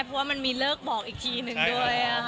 เพราะว่ามันมีเลิกบอกอีกทีหนึ่งด้วย